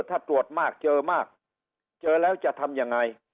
ถ้าตรวจมากเจอมากเจอแล้วจะทำยังไง